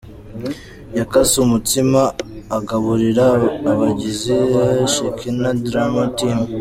Yakase umutsima agaburira abagize Shekinah Drama Team.